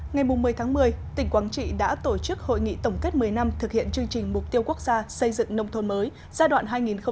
ngày một mươi tháng một mươi tỉnh quảng trị đã tổ chức hội nghị tổng kết một mươi năm thực hiện chương trình mục tiêu quốc gia xây dựng nông thôn mới giai đoạn hai nghìn một mươi sáu hai nghìn hai mươi